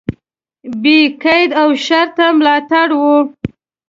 بې قید او شرطه ملاتړ و.